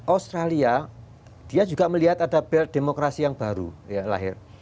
australia dia juga melihat ada belt demokrasi yang baru lahir